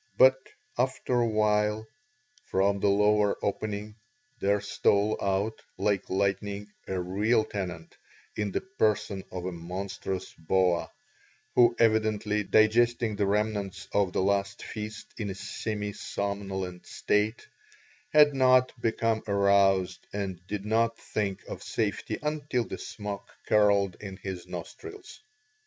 But after a while from the lower opening there stole out, like lightning, a real tenant, in the person of a monstrous boa, who evidently, digesting the remnants of the last feast in a semi somnolent state, had not become aroused and did not think of safety until the smoke curled in his nostrils.